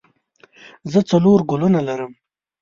زه څلور ګلونه لرم.